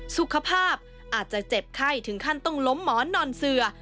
สุขภาพอาจจะเจ็บไข้ถึงขั้นต้องล้มหมอนนอนเสือ